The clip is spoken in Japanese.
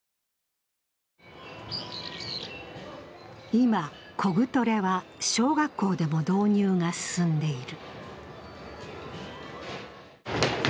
今、コグトレは小学校でも導入が進んでいる。